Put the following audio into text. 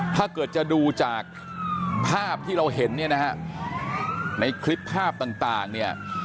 ถ้าเกิดจะดูจากภาพที่เราเห็นเนี่ยนะฮะในคลิปภาพต่างเนี่ย